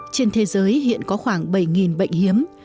trên thế giới hiện có khoảng bảy bệnh hiếm